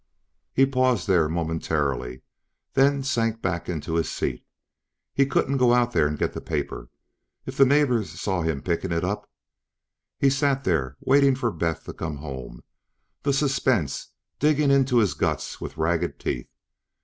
He paused there momentarily, then sank back into his seat. He couldn't go out there and get the paper if the neighbors saw him picking it up ... He sat there, waiting for Beth to come home, the suspense digging into his guts with ragged teeth.